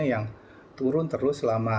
yang turun terus selama